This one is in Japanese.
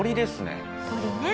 鳥ね。